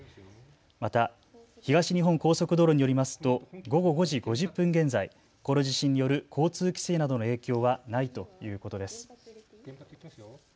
また東日本高速道路によりますと午後５時５０分現在、この地震による交通規制などの影響はないということです。